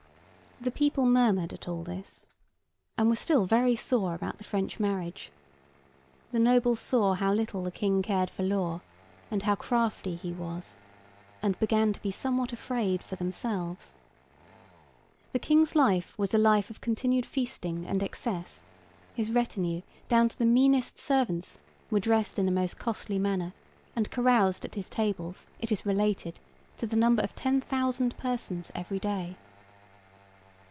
The people murmured at all this, and were still very sore about the French marriage. The nobles saw how little the King cared for law, and how crafty he was, and began to be somewhat afraid for themselves. The King's life was a life of continued feasting and excess; his retinue, down to the meanest servants, were dressed in the most costly manner, and caroused at his tables, it is related, to the number of ten thousand persons every day.